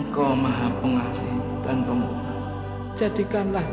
kita dari sana